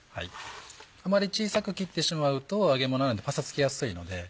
あんまり小さく切ってしまうと揚げものなのでパサつきやすいので。